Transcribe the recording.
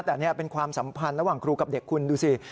แต่นี่เป็นความสัมพันธ์ระหว่างครูกับเด็กคุณดูสิ